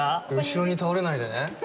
後ろに倒れないでね？